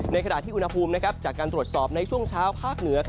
ขณะที่อุณหภูมิจากการตรวจสอบในช่วงเช้าภาคเหนือ